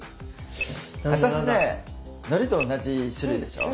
私ねのりと同じ種類でしょ？